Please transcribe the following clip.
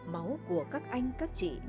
máu của các anh các chị